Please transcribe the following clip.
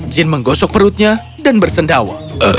jin menggosok perutnya dan bersendawa